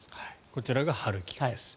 こちらがハルキウです。